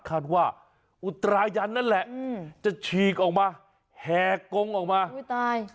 คาดว่าอุตรายันนั่นแหละจะชีกออกมาแหกลงออกมา